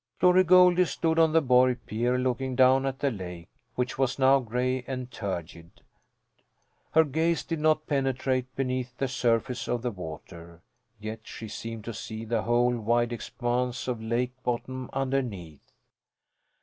Glory Goldie stood on the Borg pier looking down at the lake, which was now gray and turgid. Her gaze did not penetrate beneath the surface of the water, yet she seemed to see the whole wide expanse of lake bottom underneath.